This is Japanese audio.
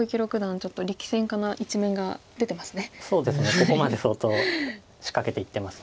ここまで相当仕掛けていってます。